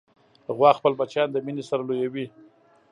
غوا خپل بچیان د مینې سره لویوي.